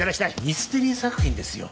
ミステリー作品ですよ。